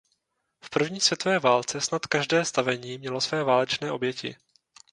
V první světové válce snad každé stavení mělo své válečné oběti.